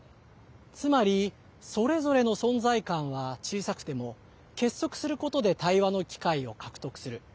つまり、それぞれの存在感は小さくても結束することで対話の機会を獲得する。